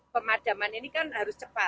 pemadaman ini kan harus cepat